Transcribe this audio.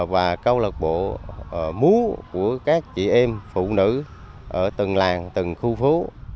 và câu lạc bộ múa của các chị em phụ nữ ở từng làng từng khu phố